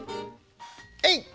えいっ。